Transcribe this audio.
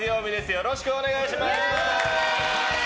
よろしくお願いします！